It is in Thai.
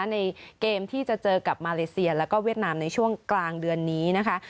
ในเกมที่จะเจอกับมาเลเซียแล้วก็เวียดนามในช่วงกลางเดือนนี้นะคะ